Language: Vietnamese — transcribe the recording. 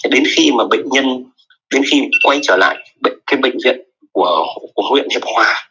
đến khi mà bệnh nhân đến khi quay trở lại bệnh viện của huyện hiệp hòa